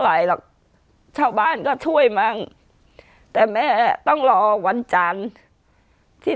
ไหลหรอกชาวบ้านก็ช่วยมั่งแต่แม่ต้องรอวันจันทร์ที่